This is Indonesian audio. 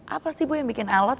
apa sih ibu yang bikin alot